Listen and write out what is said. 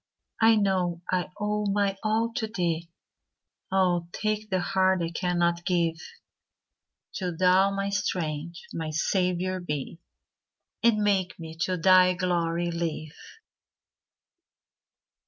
I know I owe my all to thee; Oh, take the heart I cannot give! Do Thou my strength—my Saviour be, And make me to thy glory live.